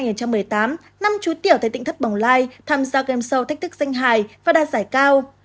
tháng bảy năm hai nghìn một mươi tám năm chú tiểu tại tỉnh thất bồng lai tham gia game show thách thức danh hài và đa giải cao